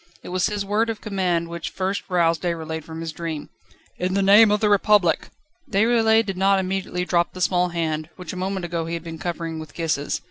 It was his word of command which first roused Déroulède from his dream: "In the name of the Republic!" Déroulède did not immediately drop the small hand, which a moment ago he had been covering with kisses.